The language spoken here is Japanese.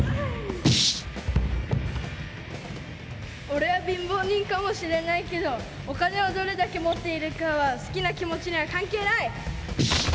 俺は貧乏人かもしれないけどお金をどれだけ持っているかは好きな気持ちには関係ない。